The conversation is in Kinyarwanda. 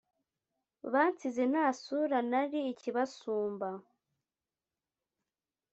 bansize nta sura nari ikibasumba